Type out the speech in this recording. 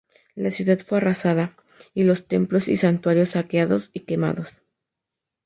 La ciudad fue arrasada, y los templos y santuarios saqueados y quemados.